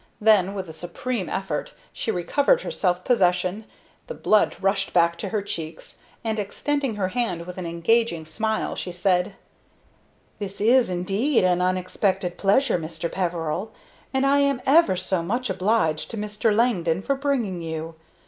Then, with a supreme effort, she recovered her self possession, the blood rushed back to her cheeks, and, extending her hand with an engaging smile, she said: "This is indeed an unexpected pleasure, Mr. Peveril, and I am ever so much obliged to Mr. Langdon for bringing you.